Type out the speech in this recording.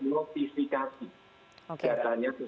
sejak dua ribu tiga belas bisnis proses kita perbaiki terus